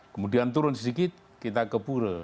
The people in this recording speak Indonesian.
kemudian turun sedikit kita ke pura